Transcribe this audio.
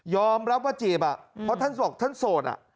รับว่าจีบเพราะท่านบอกท่านโสด